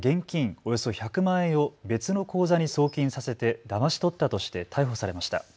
およそ１００万円を別の口座に送金させてだまし取ったとして逮捕されました。